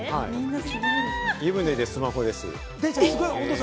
湯船でスマホです。